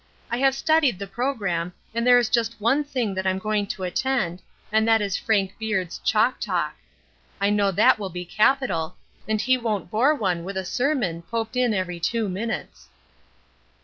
I have studied the programme, and there is just one thing that I'm going to attend, and that is Frank Beard's 'chalk talk.' I know that will be capital, and he won't bore one with a sermon poked in every two minutes."